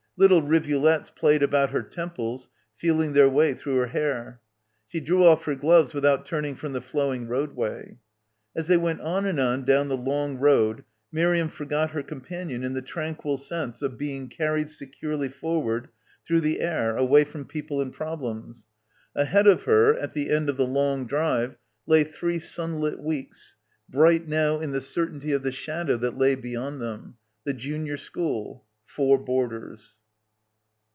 Little rivulets played about her temples, feel ing their way through her hair. She drew off her gloves without turning from the flowing road way. As they went on and on down the long road Miriam forgot her companion in the tranquil sense of being carried securely forward through the air away from people and problems. Ahead of her, at the end of the long drive, lay three sunlit weeks, bright now in the certainty of the shadow that lay beyond them ... "the junior school" ... "four boarders."